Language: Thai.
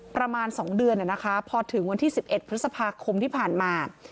ประมาณ๒เดือนพอถึงวันที่๑๑พฤษภาคมที่ผ่านมา